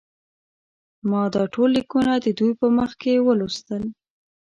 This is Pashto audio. ما دا ټول لیکونه د دوی په مخ کې ولوستل.